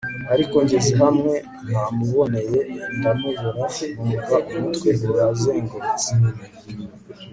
ariko ngeze hamwe namuboneye ndamubura numva umutwe urazengurutse